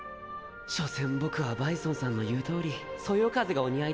所詮僕はバイソンさんの言うとおりそよ風がお似合いだ。